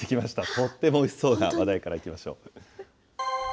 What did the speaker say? とってもおいしそうな話題からいきましょう。